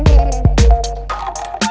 kau mau kemana